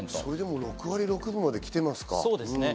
６割６分まできてますか。